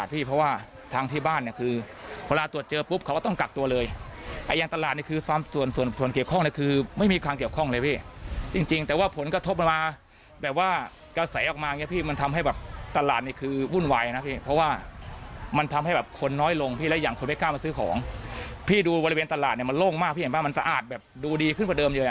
ดูบริเวณตลาดมันโล่งมากมันสะอาดดูดีขึ้นกว่าเดิมเยอะ